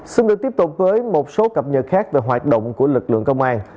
xin được tiếp tục với một số cập nhật khác về hoạt động của lực lượng công an